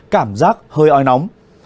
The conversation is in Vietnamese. cảm giác hơi oi nóng